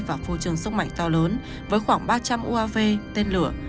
và phô trường sức mạnh to lớn với khoảng ba trăm linh uav tên lửa